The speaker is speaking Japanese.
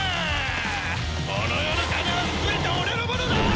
この世の金は全て俺のものだ！